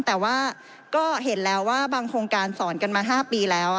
แต่ว่าก็เห็นแล้วว่าบางโครงการสอนกันมา๕ปีแล้ว